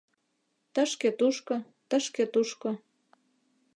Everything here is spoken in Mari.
Тышке-тушко, тышке-тушко